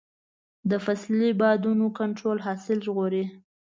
د فصلي بادونو کنټرول حاصل ژغوري.